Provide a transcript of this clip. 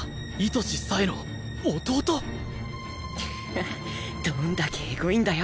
ハハッどんだけエゴいんだよ